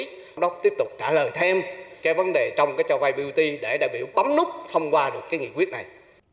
tiếp tục trả lời thêm cái vấn đề trong cái cho vay bot để đại biểu bấm nút thông qua được cái nghị quyết này